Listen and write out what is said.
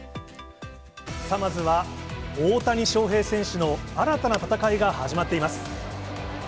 さあ、まずは大谷翔平選手の新たな戦いが始まっています。